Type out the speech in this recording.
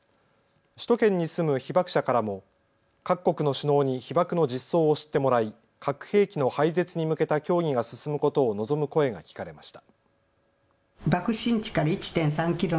首都圏に住む被爆者からも各国の首脳に被爆の実相を知ってもらい核兵器の廃絶に向けた協議が進むことを望む声が聞かれました。